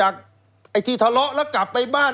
ไอ้ที่ทะเลาะแล้วกลับไปบ้าน